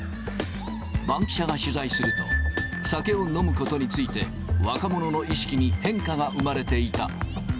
バンキシャが取材すると、酒を飲むことについて、若者の意識に変化が生まれていた。